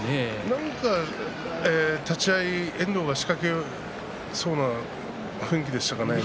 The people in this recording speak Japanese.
何か立ち合い遠藤が仕掛けそうな雰囲気でしたからね。